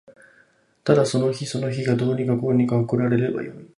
ただその日その日がどうにかこうにか送られればよい